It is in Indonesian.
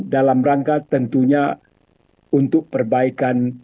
dalam rangka tentunya untuk perbaikan